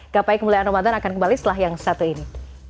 gapai kemuliaan ramadan akan kembali setelah yang satu ini